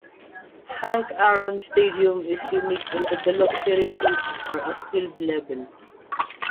Hank Aaron Stadium is unique in that the luxury suites are at field level.